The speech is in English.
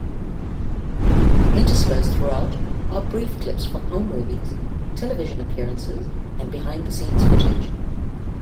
Interspersed throughout are brief clips from home movies, television appearances and behind-the-scenes footage.